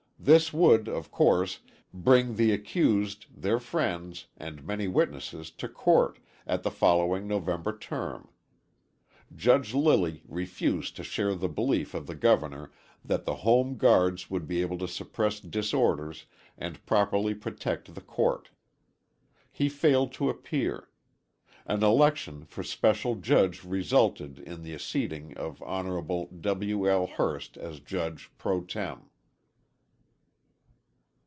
This would, of course, bring the accused, their friends and many witnesses to court, at the following November term. Judge Lilly refused to share the belief of the Governor that the Home Guards would be able to suppress disorders and properly protect the court. He failed to appear. An election for special judge resulted in the seating of Hon. W. L. Hurst as judge pro tem.